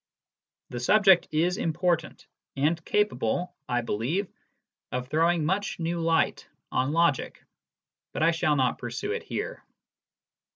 The subject is important, and capable, I believe, of throwing much new light on logic ; but I shall not pursue it here.